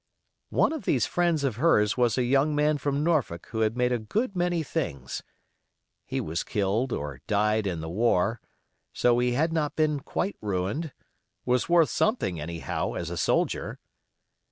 One of these friends of hers was a young man from Norfolk who had made a good many things. He was killed or died in the war; so he had not been quite ruined; was worth something anyhow as a soldier.